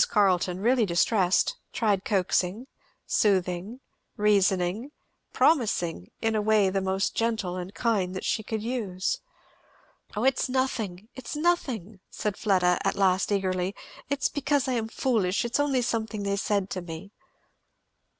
Carleton, really distressed, tried coaxing, soothing, reasoning, promising, in a way the most gentle and kind that she could use. "Oh it's nothing it's nothing," Fleda said at last eagerly, "it's because I am foolish it's only something they said to me."